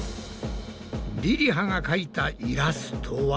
りりはが描いたイラストは？